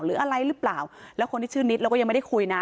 หรืออะไรหรือเปล่าแล้วคนที่ชื่อนิดเราก็ยังไม่ได้คุยนะ